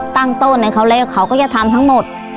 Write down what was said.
ตั้งต้นให้เขาแล้วเขาก็จะทำทั้งหมด